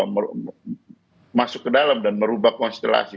masuk ke dalam dan merubah konstelasi